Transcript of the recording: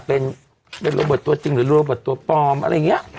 เป็นเป็นโลเบิร์ตตัวจริงหรือโลเบิร์ตตัวปลอมอะไรอย่างเงี้ยอืม